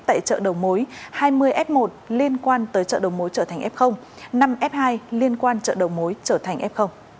tại chợ đầu mối hai mươi f một liên quan tới chợ đầu mối trở thành f năm f hai liên quan chợ đầu mối trở thành f